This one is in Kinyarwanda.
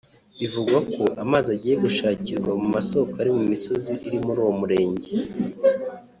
Bivugwa ko amazi agiye gushakirwa mu masoko ari mu misozi iri muri uwo murenge